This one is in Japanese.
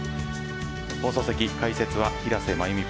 放送席、解説は平瀬真由美